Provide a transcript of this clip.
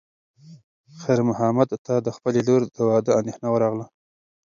خیر محمد ته د خپلې لور د واده اندېښنه ورغله.